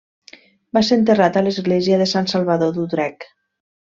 Va ser enterrat a l'església de Sant Salvador d'Utrecht.